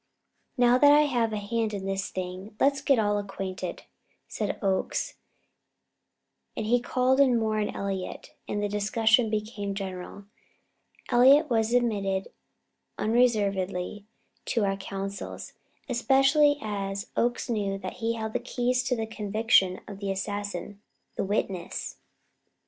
"Now that I have a hand in this thing, let's all get acquainted," said Oakes; and he called in Moore and Elliott, and the discussion became general. Elliott was admitted unreservedly to our councils, especially as Oakes knew that he held the keys to the conviction of the assassin the witness.